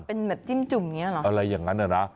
เป็นแบบจิ้มจุ่มอย่างนี้เหรออะไรอย่างนั้นน่ะนะ